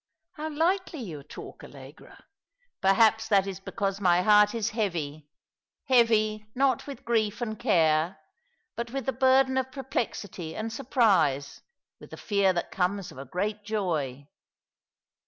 " How lightly you talk, Allegra." " Perhaps that is because my heart is heavy — heavy, not with grief and care, but with the burden of perplexity and surprise, with the fear that comes of a great joy."